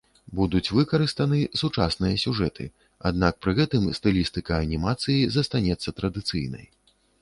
Будуць выкарыстаны сучасныя сюжэты, аднак пры гэтым стылістыка анімацыі застанецца традыцыйнай.